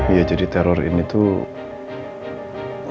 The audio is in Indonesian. iya jadi teror ini tuh